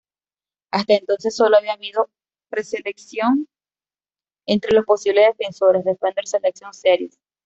Hasta entonces sólo había habido preselección entre los posibles defensores -"Defender Selection Series"-.